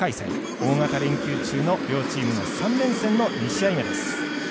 大型連休中の両チームの３連戦の２試合目です。